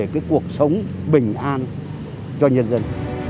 cho cuộc sống bình an cho nhân dân